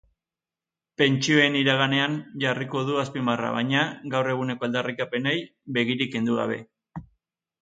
Pentsioen iraganean jarriko du azpimarra, baina gaur eguneko aldarrikapenei begirik kendu gabe.